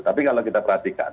tapi kalau kita perhatikan